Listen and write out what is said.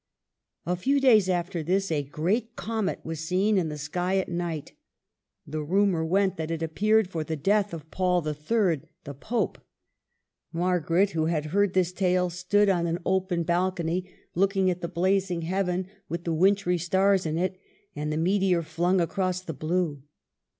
A few days after this a great comet was seen in the sky at night. The rumor went that it 312 MARGARET OF ANGOUL^ME. appeared for the death of Paul III. the Pope. Margaret, who had heard this tale, stood on an open balcony, looking at the blazing heaven with the wintry stars in it, and the meteor flung across the blue.